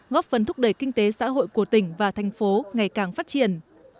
góp phần thúc đẩy kinh tế xã hội của tỉnh và thành phố ngày càng phát triển